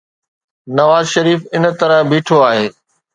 نوازشريف ان طرح بيٺو آهي.